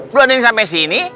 belum ada yang sampai sini